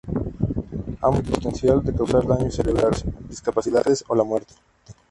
Ambos tienen el potencial de causar daño cerebral, discapacidades o la muerte.